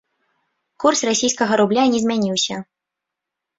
Курс расійскага рубля не змяніўся.